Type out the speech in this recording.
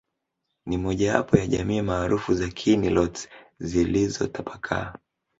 Ni mojawapo ya jamii maarufu za Kinilotes zilizotapakaa